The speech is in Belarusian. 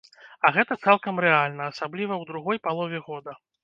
А гэта цалкам рэальна, асабліва ў другой палове года.